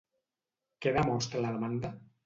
Què demostra la demanda?